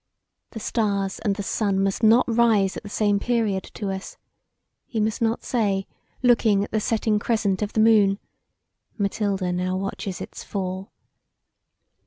The stars and the sun must not rise at the same period to us: he must not say, looking at the setting crescent of the moon, "Mathilda now watches its fall."